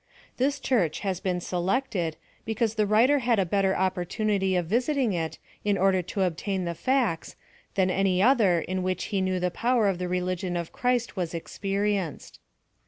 This church has been selected, because the writer had a better opportunity of visiting it in order to obtain the facts, than any other in which he knew the power of the religion of Christ was experienced.